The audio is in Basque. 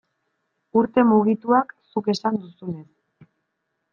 Urte mugituak, zuk esan duzunez.